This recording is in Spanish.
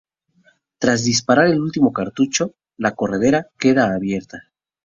Tras disparar el último cartucho, la corredera queda abierta.